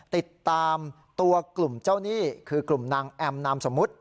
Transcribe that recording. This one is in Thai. ติดตามตัวกลุ่มเจ้าหนี้คือกลุ่มนางแอมนามสมมุติ